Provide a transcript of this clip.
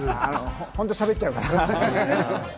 ホントにしゃべっちゃうから。